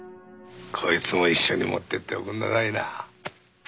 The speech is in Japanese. こいつも一緒に持ってっておくんなさいな。